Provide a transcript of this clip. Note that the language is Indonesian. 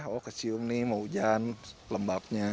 oh kecium nih mau hujan lembabnya